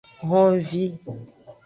Honvi.